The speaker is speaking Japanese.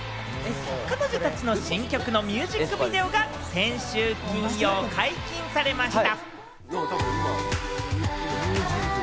彼女たちの新曲のミュージックビデオが先週金曜、解禁されました。